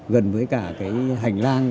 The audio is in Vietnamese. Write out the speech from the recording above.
gần với cả cái hành lang